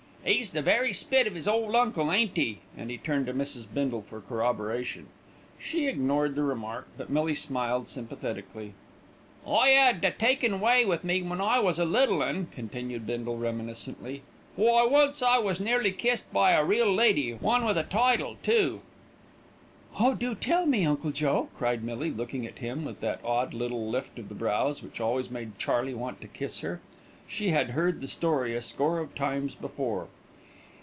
"'E's the very spit of 'is old uncle, ain't 'e?" and he turned to Mrs. Bindle for corroboration. She ignored the remark; but Millie smiled sympathetically. "I 'ad a takin' way with me when I was a little 'un," continued Bindle reminiscently. "Why, once I was nearly kissed by a real lady one with a title, too." "Oh! do tell me, Uncle Joe," cried Millie, looking at him with that odd little lift of the brows, which always made Charley want to kiss her. She had heard the story a score of times before.